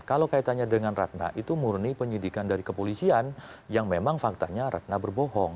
kalau kaitannya dengan ratna itu murni penyidikan dari kepolisian yang memang faktanya ratna berbohong